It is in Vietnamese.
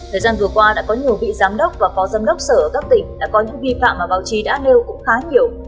thời gian vừa qua đã có nhiều vị giám đốc và phó giám đốc sở ở các tỉnh đã có những vi phạm mà báo chí đã nêu cũng khá nhiều